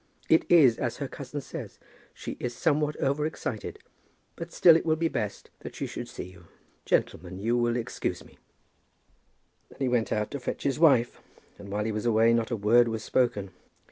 It is as her cousin says. She is somewhat over excited. But still it will be best that she should see you. Gentlemen, you will excuse me." Then he went out to fetch his wife, and while he was away not a word was spoken.